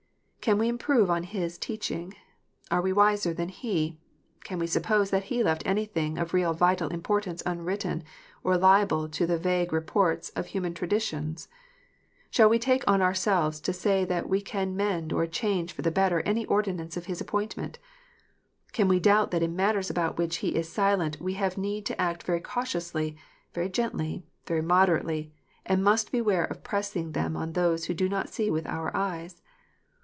Can we improve on His teaching 1 Are we wiser than He 1 Can we suppose that He left anything of real vital importance unwritten, or liable to the vague reports of human traditions ? Shall we take on ourselves to say that we can mend or change for the better any ordinance of His appointment 1 Can we doubt that in matters about which He is silent we have need to act very cautiously, very gently, very moderately, and must beware of pressing them on those who do not see with our eyes